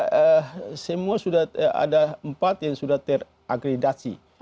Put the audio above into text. ya semua sudah ada empat yang sudah teragredasi